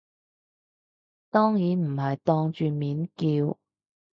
當然唔係當住面叫